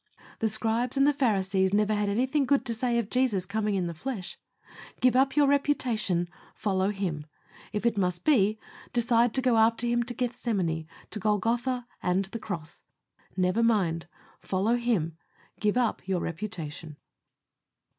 The Scribes and the Pharisees never had anything good to say of Jesus coming in the flesh. Give up your reputation follow Him. If it must be, decide to go after Him to Gethsemane, to Golgotha and the cross. Never mind follow Him. Give up your reputation.